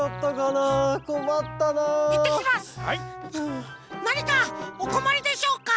なにかおこまりでしょうか？